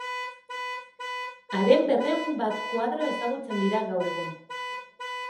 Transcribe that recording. Haren berrehun bat koadro ezagutzen dira gaur egun.